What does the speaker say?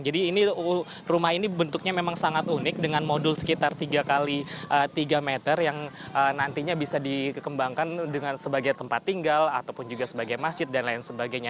jadi ini rumah ini bentuknya memang sangat unik dengan modul sekitar tiga x tiga meter yang nantinya bisa dikembangkan dengan sebagai tempat tinggal ataupun juga sebagai masjid dan lain sebagainya